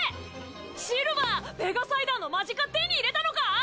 シルヴァーペガサイダーのマジカ手に入れたのか！？